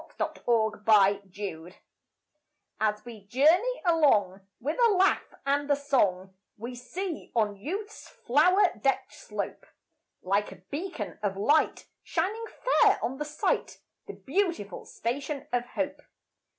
=The Universal Route= As we journey along, with a laugh and a song, We see, on youth's flower decked slope, Like a beacon of light, shining fair on the sight, The beautiful Station of Hope.